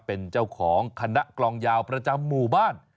เป็นเจ้าของคณะกลองยาวประจำหมู่บ้าน